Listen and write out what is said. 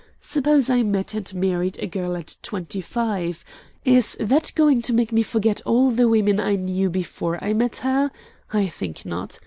Suppose I met and married a girl at twenty five. Is that going to make me forget all the women I knew before I met her? I think not.